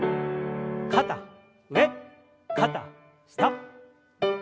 肩上肩下。